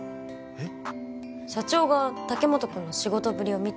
えっ！